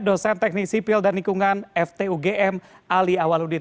dosen teknik sipil dan lingkungan ftugm ali awaludin